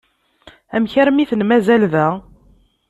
Amek armi iten-mazal da?